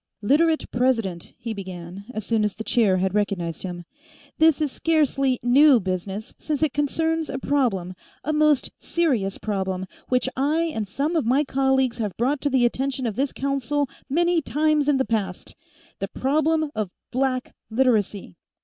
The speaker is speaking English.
"Literate President," he began, as soon as the chair had recognized him, "this is scarcely new business, since it concerns a problem, a most serious problem, which I and some of my colleagues have brought to the attention of this Council many times in the past the problem of Black Literacy!"